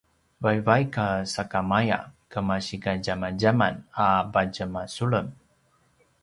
vaivaik sakamaya kemasi kadjamadjaman a patje masulem